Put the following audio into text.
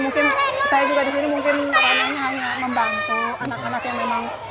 mungkin saya juga di sini mungkin ranahnya hanya membantu anak anak yang memang